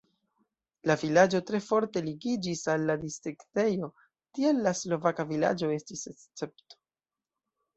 La vilaĝo tre forte ligiĝis al la distriktejo, tial la slovaka vilaĝo estis escepto.